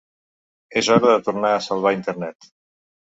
És hora de tornar a salvar Internet.